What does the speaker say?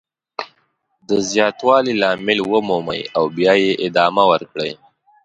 د زیاتوالي لامل ومومئ او بیا یې ادامه ورکړئ.